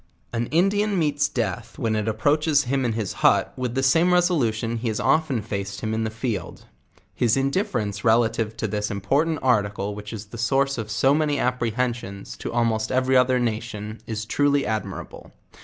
An Indian meets death when it approaches him in his hut with the same resolution he has often faced hi Ji in the field. His indifference relative to this important article which is the source of so many apprehensions to almost every other nation is truly admirable.